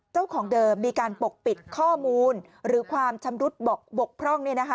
เจ้าของเดิมมีการปกปิดข้อมูลหรือความชำรุดบกพร่อง